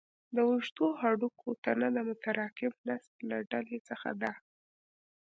د اوږدو هډوکو تنه د متراکم نسج له ډلې څخه ده.